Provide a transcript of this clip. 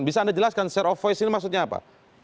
bisa anda jelaskan share of voice ini maksudnya apa